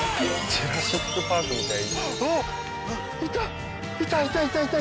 「ジュラシック・パーク」みたい。